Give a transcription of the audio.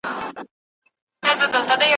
رحمان بابا د خدای په یاد کې تل مست و.